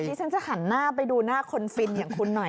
ดิฉันจะหันหน้าไปดูหน้าคนฟินอย่างคุณหน่อย